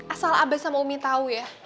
asal abah sama umi tau ya